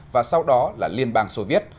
và sau đó là liên bang soviet